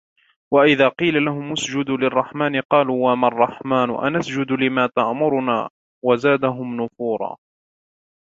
وَإِذَا قِيلَ لَهُمُ اسْجُدُوا لِلرَّحْمَنِ قَالُوا وَمَا الرَّحْمَنُ أَنَسْجُدُ لِمَا تَأْمُرُنَا وَزَادَهُمْ نُفُورًا